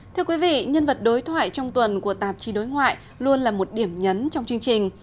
thưa quý vị nhân vật đối thoại trong tuần của tạp chí đối ngoại luôn là một điểm nhấn trong chương trình